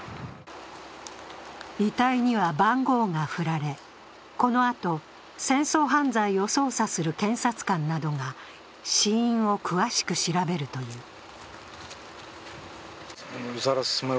遺体には番号が振られ、このあと、戦争犯罪を捜査する検察官などが死因を詳しく調べるという。